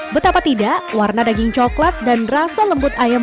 betapa tidak warna daging coklat dan rasa lembut ayam